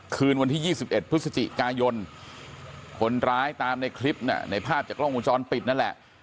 คืนวันที่๒๑พฤศจิกายนคนร้ายตามในคลิปน่ะในภาพจากกล้องวงจรปิดนั่นแหละ